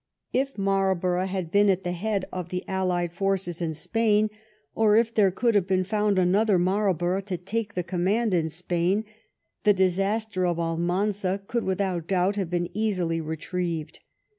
If Marlborough had been at the head of the allied forces 260 BAMILLIES AND ALMANZA in Spain, or if there could have been found another Marlborough to take the command in Spain, the disaster of Almanza could without doubt have been easily re trieved.